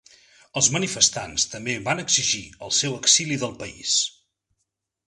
Els manifestants també van exigir el seu exili del país.